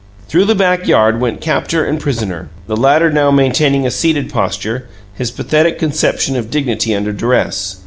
Through the back yard went captor and prisoner, the latter now maintaining a seated posture his pathetic conception of dignity under duress.